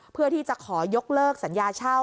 เพื่อที่จะขอยกเลิกสัญญาเช่า